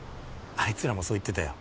あいつらもそう言ってたよ